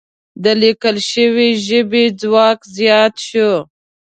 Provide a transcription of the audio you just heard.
د لیکل شوې ژبې ځواک زیات شو.